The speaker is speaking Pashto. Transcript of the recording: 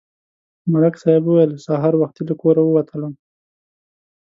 ملک صاحب وویل: سهار وختي له کوره ووتلم